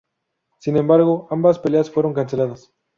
Sin embargo, ambas peleas fueron canceladas.